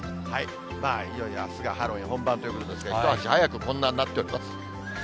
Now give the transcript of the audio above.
いよいよあすがハロウィーン本番ということですが、一足早くこんなになっております。